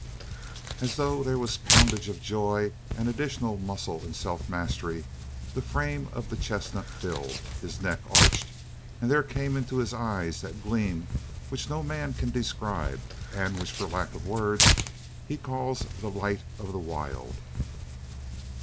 As though there was a poundage of joy and additional muscle in self mastery, the frame of the chestnut filled, his neck arched, and there came into his eyes that gleam which no man can describe and which for lack of words he calls the light of the wild.